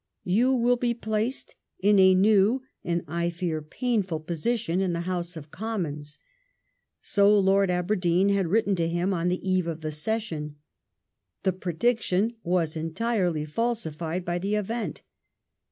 '* You will be placed in a new and, I fear, painful position in the House of Commons." So Lord Aberdeen had written to him on the eve of the session. The prediction was entirely falsified by the event.